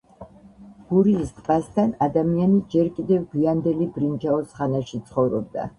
გურიის ტბასთან ადამიანი ჯერ კიდევ გვიანდელი ბრინჯაოს ხანაში ცხოვრობდა.